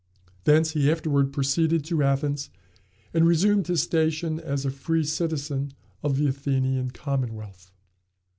Thence he afterward proceeded to Athens, and resumed his station as a free citizen of the Athenian commonwealth.